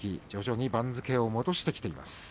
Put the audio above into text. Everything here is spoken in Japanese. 徐々に番付を戻してきています。